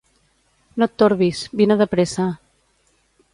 No et torbis: vine de pressa.